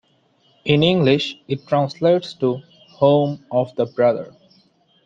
In English, it translates to "Home of the Brother".